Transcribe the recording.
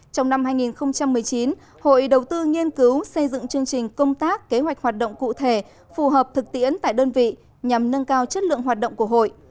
trong năm hai nghìn một mươi chín hội đầu tư nghiên cứu xây dựng chương trình công tác kế hoạch hoạt động cụ thể phù hợp thực tiễn tại đơn vị nhằm nâng cao chất lượng hoạt động của hội